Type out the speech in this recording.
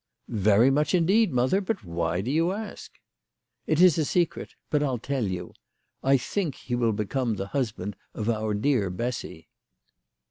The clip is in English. " Very much indeed, mother ; but why do you ask ?"" It is a secret ; but I'll tell you. I think he will become the husband of our dear Bessy."